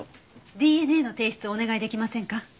ＤＮＡの提出をお願いできませんか？